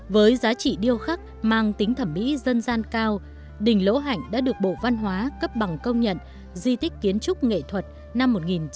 với giá trị điêu khắc mang tính thẩm mỹ dân gian cao đình lỗ hạnh đã được bộ văn hóa cấp bằng công nhận di tích kiến trúc nghệ thuật năm một nghìn chín trăm bảy mươi